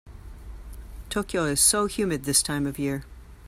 Tokyo is so humid this time of year.